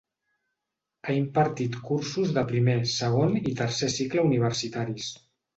Ha impartit cursos de primer, segon i tercer cicle universitaris.